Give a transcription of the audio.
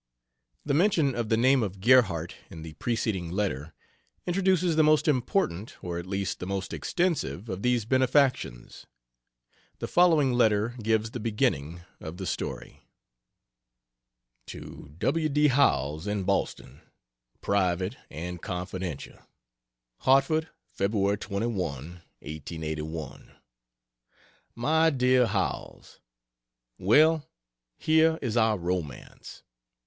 The mention of the name of Gerhardt in the preceding letter introduces the most important, or at least the most extensive, of these benefactions. The following letter gives the beginning of the story: To W. D. Howells, in Boston: Private and Confidential. HARTFORD, Feb. 21, 1881. MY DEAR HOWELLS, Well, here is our romance.